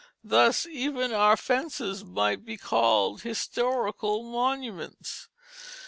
Thus even our fences might be called historical monuments.